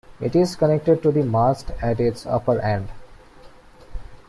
It is connected to the mast at its upper end.